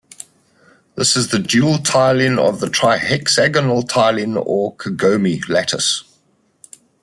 This is the dual tiling of the trihexagonal tiling or kagome lattice.